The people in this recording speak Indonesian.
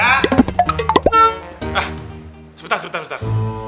ah sebentar sebentar sebentar